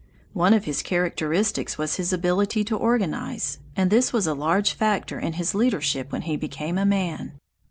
One of his characteristics was his ability to organize, and this was a large factor in his leadership when he became a man.